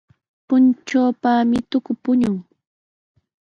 Puntrawpami tuku puñun.